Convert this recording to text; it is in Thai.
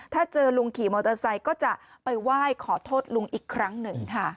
ถ้าเจอลุงขี่มอเตอร์ไซค์ก็จะไปไหว้ขอโทษลุงอีกครั้งหนึ่งค่ะ